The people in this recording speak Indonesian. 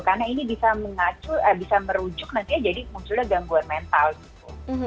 karena ini bisa merujuk nantinya jadi maksudnya gangguan mental gitu